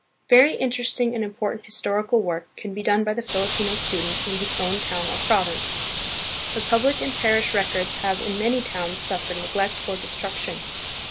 Very interesting and important historical work can be done by the Filipino student in his own town or province. The public and parish records have in many towns suf fered neglect or destruction.